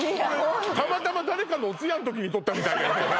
たまたま誰かのお通夜ん時に撮ったみたいだよね